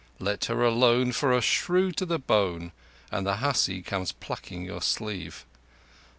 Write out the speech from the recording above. Let her alone for a shrew to the bone And the hussy comes plucking your sleeve!